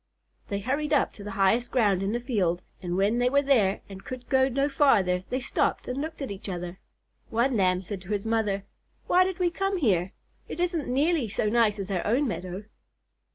They hurried up to the highest ground in the field, and when they were there and could go no farther, they stopped and looked at each other. One Lamb said to his mother, "Why did we come here? It isn't nearly so nice as our own meadow."